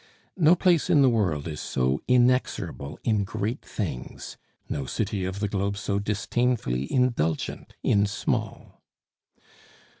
No place in the world is so inexorable in great things; no city of the globe so disdainfully indulgent in small.